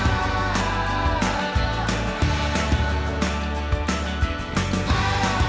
ก็จะต่อยไปเรื่อย